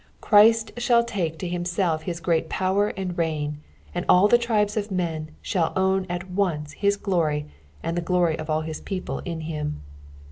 Chiist shall take to himself his great power and reign, and all the tiibcs of men shitll own at once his glory and the glory of his people in him.